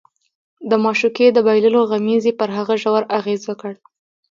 د معشوقې د بایللو غمېزې پر هغه ژور اغېز وکړ